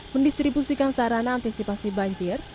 mendistribusikan sarana antisipasi banjir